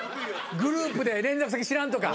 グループで連絡先知らんとか。